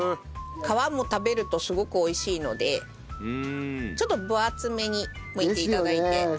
皮も食べるとすごく美味しいのでちょっと分厚めにむいて頂いて。ですよね！